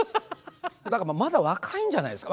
だからまだ若いんじゃないですか。